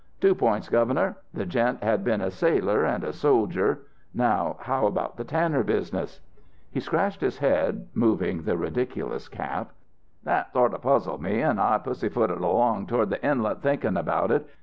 "'Two points, Governor the gent had been a sailor and a soldier; now how about the tanner business?' "He scratched his head, moving the ridiculous cap. "'That sort of puzzled me, and I pussyfooted along toward the Inlet thinkin' about it.